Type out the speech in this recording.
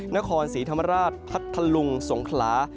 นครศรีธรรมราชพัทธลุงสงขลา